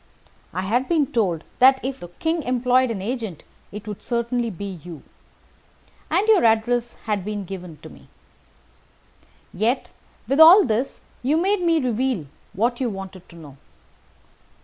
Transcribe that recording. I had been told that, if the King employed an agent, it would certainly be you. And your address had been given me. Yet, with all this, you made me reveal what you wanted to know.